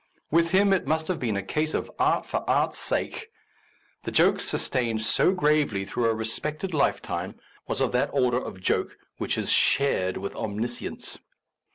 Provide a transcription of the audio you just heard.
With him it must have been a case of art for art's sake. The joke sustained so gravely through a respected lifetime was of that order of joke which is shared with omniscience.